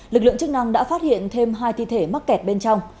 lực lượng chức năng đã phát hiện thêm hai thi thể mắc kẹt bên trong